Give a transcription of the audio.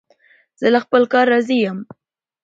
زه له خپل کار راضي یم.